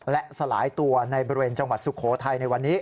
และสลายตัวในบริเวณจังหวัดสุโขทัยในวันนี้